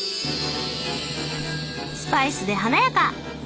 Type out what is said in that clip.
スパイスで華やか！